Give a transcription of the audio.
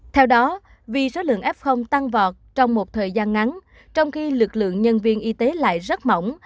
theo đó vì số lượng f tăng vọt trong một thời gian ngắn trong khi lực lượng nhân viên y tế lại rất mỏng